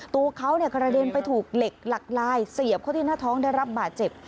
ตัวเขากระเด็นไปถูกเหล็กหลักลายเสียบเข้าที่หน้าท้องได้รับบาดเจ็บ